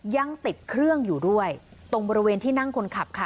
ยังติดเครื่องอยู่ด้วยตรงบริเวณที่นั่งคนขับค่ะ